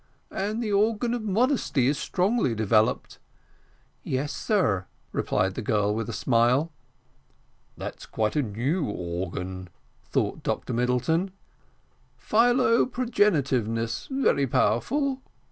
"And the organ of modesty is strongly developed." "Yes, sir," replied the girl, with a smile. "That's quite a new organ," thought Dr Middleton. "Philo progenitiveness very powerful."